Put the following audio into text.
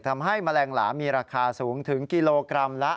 แมลงหลามีราคาสูงถึงกิโลกรัมละ